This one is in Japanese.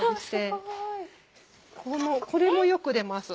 これもよく出ます。